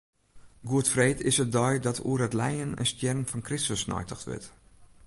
Goedfreed is de dei dat oer it lijen en stjerren fan Kristus neitocht wurdt.